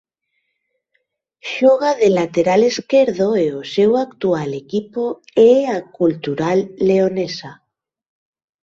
Xoga de lateral esquerdo e o seu actual equipo é a Cultural Leonesa.